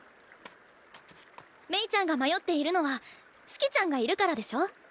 メイちゃんが迷っているのは四季ちゃんがいるからでしょ？